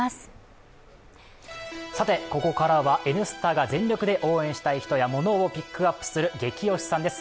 ここからは「Ｎスタ」が全力で応援したい人やモノをピックアップするゲキ推しさんです。